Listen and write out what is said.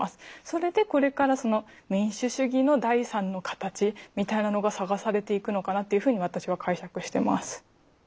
それでこれから民主主義の第３の形みたいなのが探されていくのかなっていうふうに私は解釈してます。